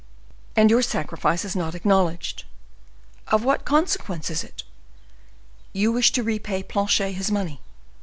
and your sacrifice is not acknowledged! Of what consequence is it? You wish to repay Planchet his money.